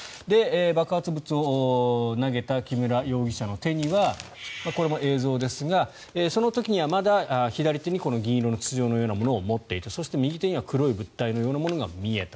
爆発物を投げた木村容疑者の手にはこれも映像ですがその時にはまだ左手に銀色の筒状のようなものを持っていたそして右手には黒い物体のようなものが見えた。